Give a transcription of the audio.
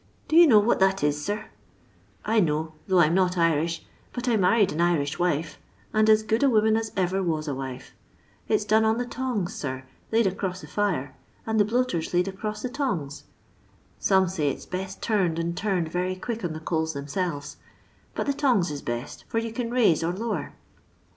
Do you know what that is, sir 1 I know, though I 'm not Irish, but I married an Irish wife, and as good a woman as ever was a wife. It 's done on the tongs, sir, laid across the fire, and the bloater 's laid acrou the tongs. Some says it's best turned and turned very quick on the coals themselves, but the tongs is best, for you can raise or lower."